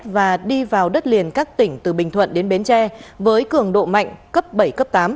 và đi vào đất liền các tỉnh từ bình thuận đến bến tre với cường độ mạnh cấp bảy cấp tám